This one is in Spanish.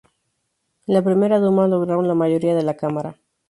En la Primera Duma, lograron la mayoría de la Cámara.